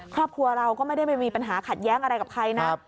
ครอบครัวเราก็ไม่ได้ไปมีปัญหาขัดแย้งอะไรกับใครนะ